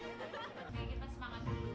kita akan dengerin